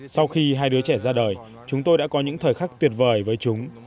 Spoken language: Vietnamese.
sau khi hai đứa trẻ ra đời chúng tôi đã có những thời khắc tuyệt vời với chúng